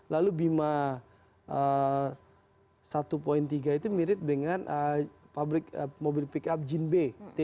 lalu bima satu tiga itu mirip dengan mobil pick up jinbe t tiga puluh